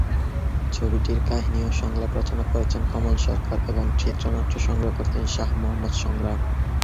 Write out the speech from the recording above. ছবিটির কাহিনী ও সংলাপ রচনা করেছেন কমল সরকার এবং চিত্রনাট্য রচনা করেছেন শাহ মোহাম্মদ সংগ্রাম।